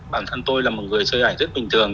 bản thân tôi là một người chơi ảnh rất bình thường